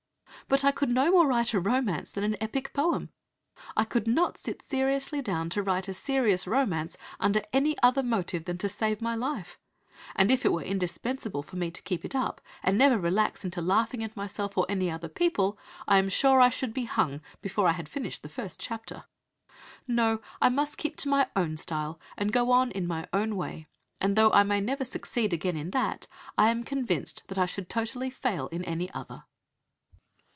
But I could no more write a romance than an epic poem. I could not sit seriously down to write a serious romance under any other motive than to save my life; and if it were indispensable for me to keep it up and never relax into laughing at myself or at any other people, I am sure I should be hung before I had finished the first chapter. No, I must keep to my own style and go on in my own way; and though I may never succeed again in that, I am convinced that I should totally fail in any other."